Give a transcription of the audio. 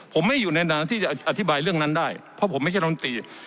ผมไม่อยู่ในนานที่จะอธิบายเรื่องนั้นได้เพราะผมไม่ใช่ลำตี